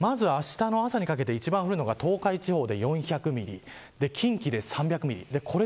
まずあしたにかけて一番降るのが東海地方で４００ミリ近畿で３００ミリ。